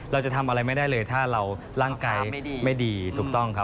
เราจะทำอะไรไม่ได้เลยถ้าเราร่างกายไม่ดีถูกต้องครับ